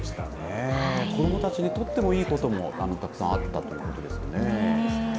子どもたちにとってもいいこともたくさんあったということですよね。